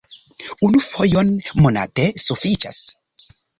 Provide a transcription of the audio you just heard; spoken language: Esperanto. Unu fojon monate sufiĉas!